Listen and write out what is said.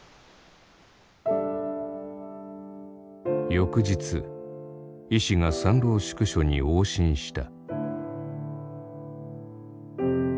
翌日医師が参籠宿所に往診した。